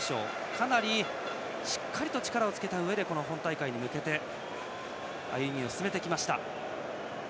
かなりしっかりと力をつけたうえでこの本大会に向けて歩みを進めてきました。